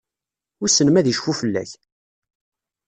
Wissen ma ad icfu fell-ak?